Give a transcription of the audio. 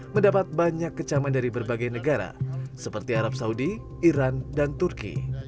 mendapat banyak kecaman dari berbagai negara seperti arab saudi iran dan turki